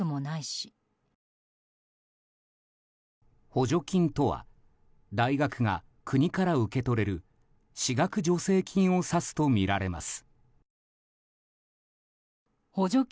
補助金とは大学が国から受け取れる私学助成金を指すとみられます。